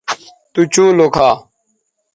تو چوں لوکھا